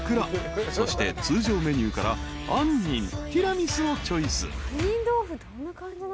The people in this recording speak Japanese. ［そして通常メニューから杏仁ティラミスをチョイス］